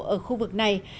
ở khu vực này